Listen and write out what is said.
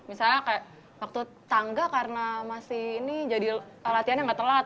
misalnya kayak waktu tangga karena masih ini jadi latihannya nggak telat